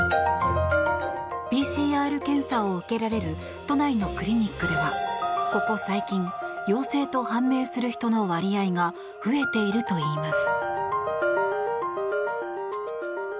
ＰＣＲ検査を受けられる都内のクリニックではここ最近陽性と判明する人の割合が増えているといいます。